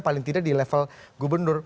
paling tidak di level gubernur